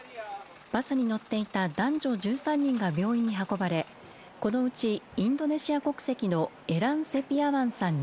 バスに乗っていた男女１３人が病院に運ばれこのうちインドネシア国籍のエラン・セピアワンさん